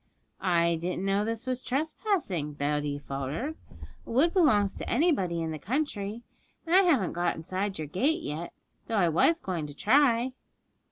'I didn't know this was trespassing,' Betty faltered; 'a wood belongs to anybody in the country, and I haven't got inside your gate yet, though I was going to try.'